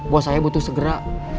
bos saya butuh segera